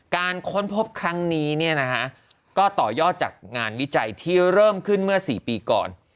ค้นพบครั้งนี้ก็ต่อยอดจากงานวิจัยที่เริ่มขึ้นเมื่อ๔ปีก่อน